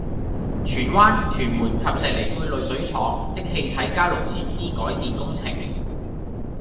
荃灣、屯門及石梨貝濾水廠的氣體加氯設施改善工程